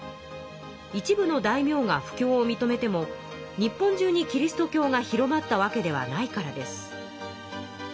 一部の大名が布教をみとめても日本中にキリスト教が広まったわけではないからです。